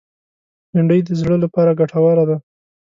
بېنډۍ د زړه لپاره ګټوره ده